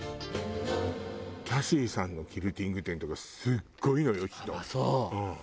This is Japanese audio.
キャシーさんのキルティング展とかすごいのよ人。